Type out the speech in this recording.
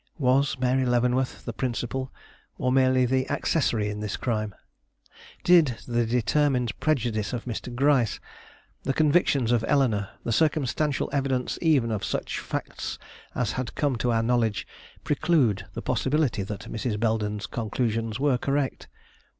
Was Mary Leavenworth the principal, or merely the accessory, in this crime? Did the determined prejudice of Mr. Gryce, the convictions of Eleanore, the circumstantial evidence even of such facts as had come to our knowledge, preclude the possibility that Mrs. Belden's conclusions were correct?